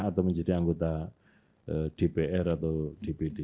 atau menjadi anggota dpr atau dpd